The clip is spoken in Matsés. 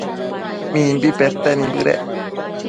Mimbi pete nibëdec